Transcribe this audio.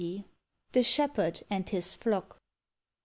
THE SHEPHERD AND HIS FLOCK.